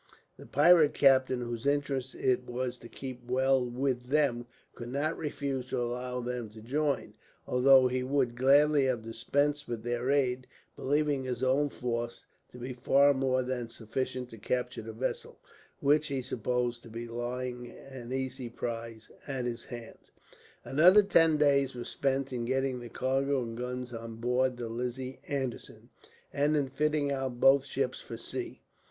The pirate captain, whose interest it was to keep well with them, could not refuse to allow them to join, although he would gladly have dispensed with their aid, believing his own force to be far more than sufficient to capture the vessel, which he supposed to be lying an easy prize at his hands. Another ten days were spent in getting the cargo and guns on board the Lizzie Anderson, and in fitting out both ships for sea.